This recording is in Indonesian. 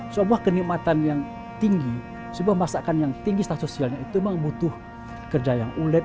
sebuah kenikmatan yang tinggi sebuah masakan yang tinggi status sosialnya itu memang butuh kerja yang ulet